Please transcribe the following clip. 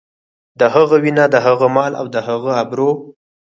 د هغه وينه، د هغه مال او د هغه ابرو.